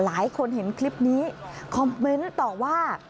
หลายคนเห็นคลิปนี้คอมเมนต์ต่อว่า